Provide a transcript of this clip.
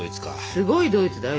すごいドイツだよ